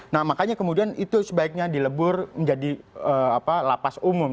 nah makanya kemudian itu sebaiknya dilebur menjadi lapas umum